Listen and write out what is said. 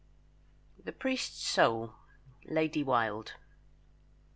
THE PRIEST'S SOUL. LADY WILDE.